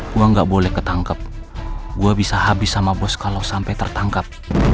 gua nggak boleh ketangkep gua bisa habis sama bos kalau sampai tertangkap